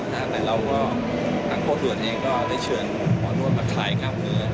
ฮะแต่เราก็ทั้งข้อทุดเองก็ได้เชิญอธรรมดประทรายงามมือ